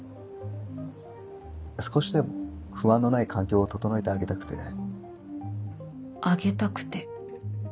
少しでも不安のない環境を整えてあげ「あげたくて」